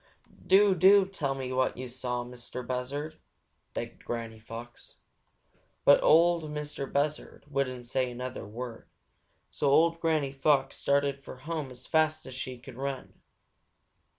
"Why? Do, do tell me what you saw, Mistah Buzzard!" begged Granny Fox. But Ol' Mistah Buzzard wouldn't say another word, so old Granny Fox started for home as fast as she could run.